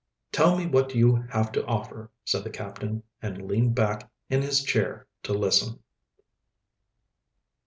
"Tell me what you have to offer," said the captain, and leaned back in his chair to listen.